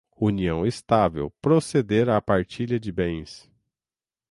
união estável, proceder à partilha de bens